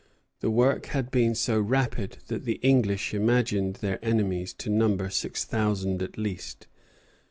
The work had been so rapid that the English imagined their enemies to number six thousand at least.